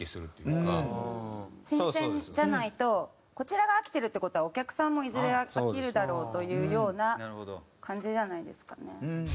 新鮮じゃないとこちらが飽きてるって事はお客さんもいずれ飽きるだろうというような感じじゃないですかね。